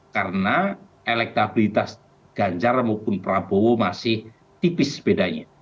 karena elektabilitas ganjar maupun prabowo masih tipis bedanya